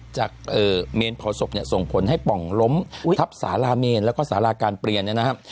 เมนเผาศพเนี่ยส่งผลให้ป่องล้มทับสาราเมนแล้วก็สาราการเปลี่ยนเนี่ยนะครับ